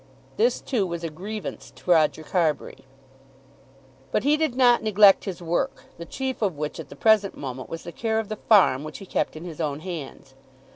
This, too, was a grievance to Roger Carbury. But he did not neglect his work, the chief of which at the present moment was the care of the farm which he kept in his own hands.